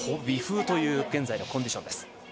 微風という現在のコンディション。